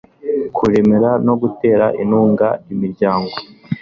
kuremera no gutera inkunga imiryango